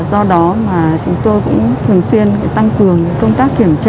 do đó mà chúng tôi cũng thường xuyên tăng cường công tác kiểm tra